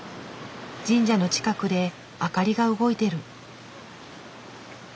神社の近くで明かりが動いてる。